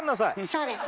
そうです。